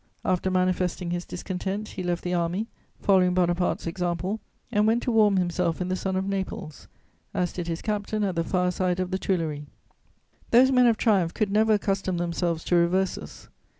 After manifesting his discontent, he left the army, following Bonaparte's example, and went to warm himself in the sun of Naples, as did his captain at the fireside of the Tuileries. Those men of triumph could never accustom themselves to reverses.